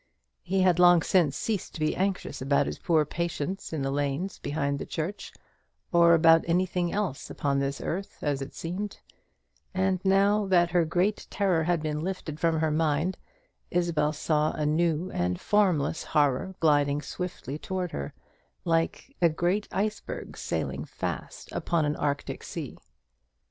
He had long since ceased to be anxious about his poor patients in the lanes behind the church, or about anything else upon this earth, as it seemed; and now that her great terror had been lifted from her mind, Isabel saw a new and formless horror gliding swiftly towards her, like a great iceberg sailing fast upon an arctic sea.